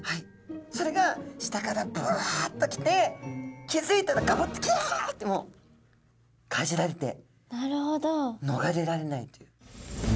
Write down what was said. それが下からブワッと来て気付いたらガブッてキャッてもうかじられてのがれられないという。